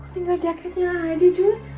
tinggal jaketnya aja jun